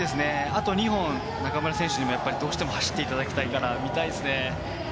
あと２本、中村選手にも走っていただきたいので、見たいですね。